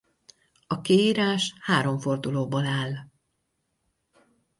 A kiírás három fordulóból áll.